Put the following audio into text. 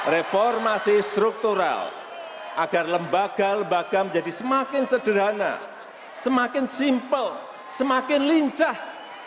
reformasi struktural agar lembaga lembaga menjadi semakin sederhana semakin simpel semakin lincah